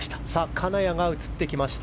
金谷が映ってきました。